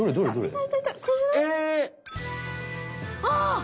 あ！